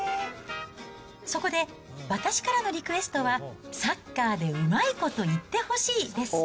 そこで私からのリクエストは、サッカーでうまいこと言ってほしいです。